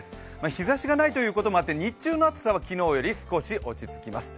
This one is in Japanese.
日ざしがないということもあって、日中の暑さは昨日より少し落ち着きます。